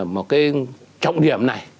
một cái trọng điểm này